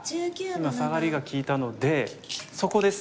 今サガリが利いたのでそこです。